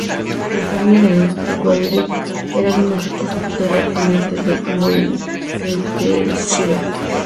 La familia de Goulding eran unos ricos terratenientes de Gloucestershire.